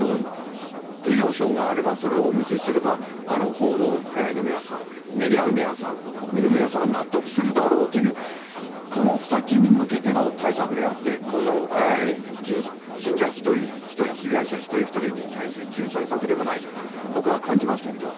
受領証があれば、それをお見せすれば、報道の皆さん、メディアの皆さん、国民の皆さんは納得するだろうという、この先に向けての対策であって、この信者一人一人、被害者一人一人に対する救済策ではないと、僕は感じましたけど。